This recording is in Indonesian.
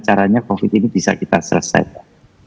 caranya covid ini bisa kita selesaikan